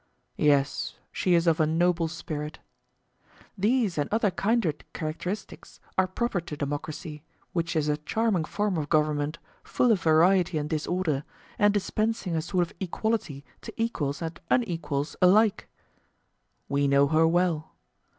Yes, she is of a noble spirit. These and other kindred characteristics are proper to democracy, which is a charming form of government, full of variety and disorder, and dispensing a sort of equality to equals and unequals alike. We know her well.